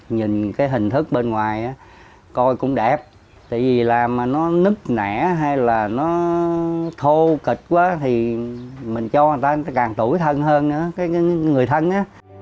nhìn cái hình thức bên ngoài á coi cũng đẹp tại vì làm mà nó nứt nẻ hay là nó thô kịch quá thì mình cho người ta càng tuổi thân hơn nữa cái người thân á